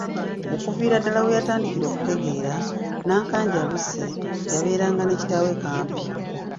Okuviira ddala we yatandikira okutegeera, Nnakanja Lucky yabeeranga ne kitaawe Kampi.